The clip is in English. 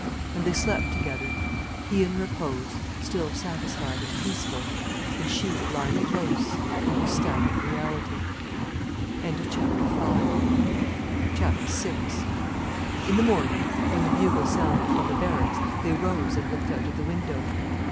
And they slept together, he in repose still satisfied and peaceful, and she lying close in her static reality. VI In the morning, when the bugle sounded from the barracks they rose and looked out of the window.